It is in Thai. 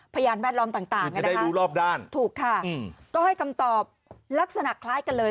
พยานแวดล้อมต่างไงนะคะถูกค่ะก็ให้คำตอบลักษณะคล้ายกันเลย